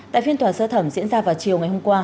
tại phiên tòa sơ thẩm diễn ra vào chiều ngày hôm qua